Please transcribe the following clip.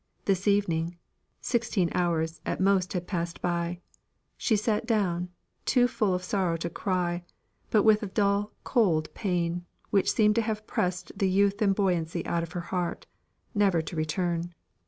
This evening sixteen hours at most had past by she sat down, too full of sorrow to cry, but with a cold dull pain, which seemed to have pressed the youth and buoyancy out of her heart, never to return.